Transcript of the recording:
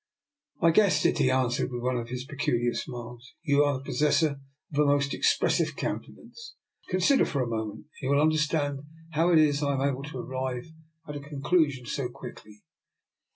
" I guessed it," he answered, with one of his peculiar smiles. You are the .possessor of a most expressive countenance. Consider for a moment, and you will understand how it is I am able to arrive at a conclusion so quick ly.